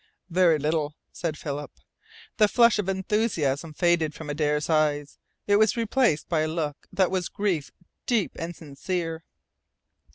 "Very little," said Philip. The flush of enthusiasm faded from Adare's eyes. It was replaced by a look that was grief deep and sincere.